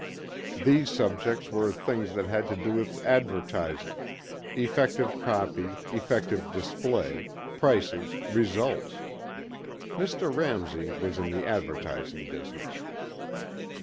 These subjects were things that had to do with advertising effective copy, effective display, prices, results. Mr. Ramsey was in the advertising business.